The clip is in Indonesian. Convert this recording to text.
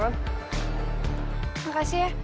terima kasih ya